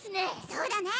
そうだね。